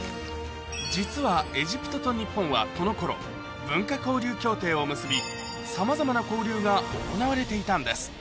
実はエジプトと日本はこのころ、文化交流協定を結び、さまざまな交流が行われていたんです。